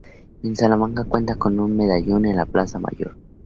En Salamanca cuenta con un medallón en la Plaza Mayor.